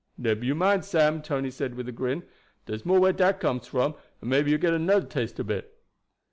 "Never you mind, Sam," Tony said with a grin. "Dar's more where dat comes from, and maybe you will get anoder taste ob it."